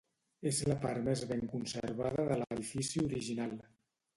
És la part més ben conservada de l'edifici original.